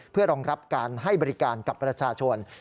เพื่อรองรับการให้บริการกับประชาชน